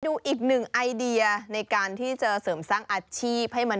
ดูอีกหนึ่งไอเดียในการที่จะเสริมสร้างอาชีพให้มัน